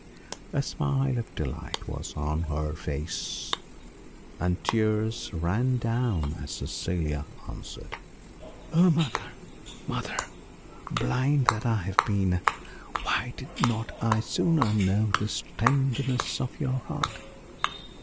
A smile of delight was on her pale face, and tears ran down as Cecilia answered "Oh, mother, mother! blind that I have been. Why did not I sooner know this tenderness of your heart?"